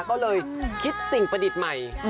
ก็เลยคิดสิ่งประดิษฐ์ใหม่